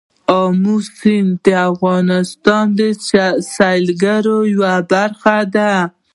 آمو سیند د افغانستان د سیلګرۍ یوه برخه ده.